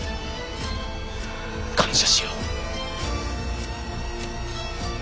感謝しよう。